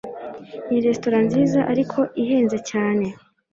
Ni resitora nziza, ariko ihenze cyane.